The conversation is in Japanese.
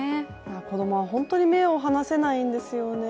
子供は本当に目を離せないんですよね。